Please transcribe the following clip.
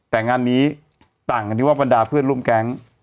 แต่งานนี้ต่างกันที่ว่าบรรดาเพื่อนร่วมแก๊ง